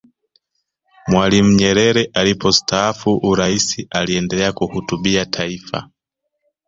mwalimu nyerere alipostaafu uraisi aliendelea kuhutubia taifa